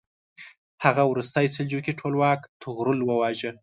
هغه وروستی سلجوقي ټولواک طغرل وواژه.